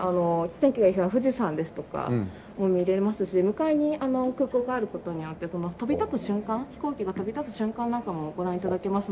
天気がいい日は富士山ですとかも見られますし向かいに空港がある事によってその飛び立つ瞬間飛行機が飛び立つ瞬間なんかもご覧頂けますので。